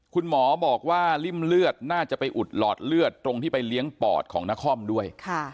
คุณหมอบอกว่าริ่มเลือดน่าจะไปอุดหลอดเลือดตรงที่ไปเลี้ยงปอดของนครด้วย